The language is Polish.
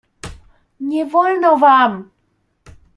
"Nie wolno wam!"